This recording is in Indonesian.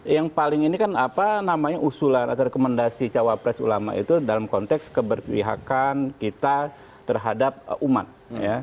yang paling ini kan apa namanya usulan atau rekomendasi cawapres ulama itu dalam konteks keberpihakan kita terhadap umat ya